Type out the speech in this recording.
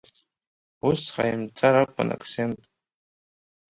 Ус ҟаимҵар акәын Ақсент.